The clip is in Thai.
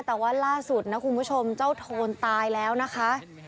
แต่ว่าล่าสุดนะคุณผู้ชมเจ้าโทนตายแล้วนะคะ